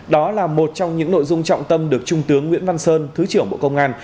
đó là một trong những nội dung trọng tâm được trung tướng nguyễn văn sơn thứ trưởng bộ công an